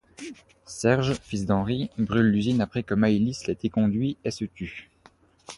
Serge, fils d'Henri, brule l'usine après que Maylis l'ait éconduit et se tue.